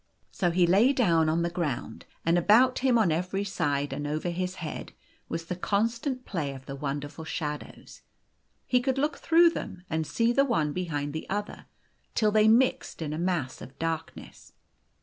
So he lay down on the ground, and about him on every side, and over his head, was the constant play of the wonderful shadows. He could look throuo h. o them, and see the one behind the other, till they mixed in a mass of darkness.